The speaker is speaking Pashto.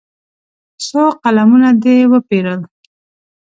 څو قلمونه دې وپېرل.